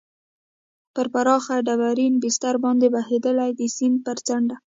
پر پراخ ډبرین بستر باندې بهېدلې، د سیند پر څنډه.